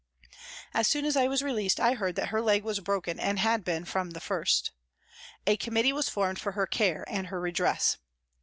As soon as I was released, I heard that her leg was broken and had been from the first. A committee was formed for her care and her redress.